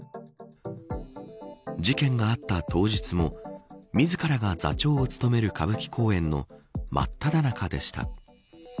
事件のあった当日も自らが座長を務める歌舞伎公演のまっただ中でした。